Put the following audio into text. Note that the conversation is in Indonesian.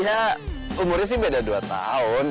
ya umurnya sih beda dua tahun